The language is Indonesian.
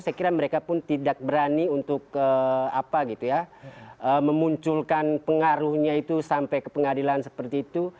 saya kira mereka pun tidak berani untuk apa gitu ya memunculkan pengaruhnya itu sampai ke pengadilan seperti itu